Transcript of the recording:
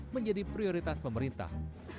menjadi prioritas pemerintah